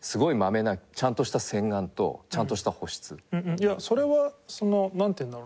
いやそれはなんていうんだろう